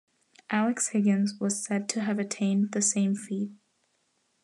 Alex Higgins was said to have attained the same feat.